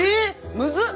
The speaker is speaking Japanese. むずっ！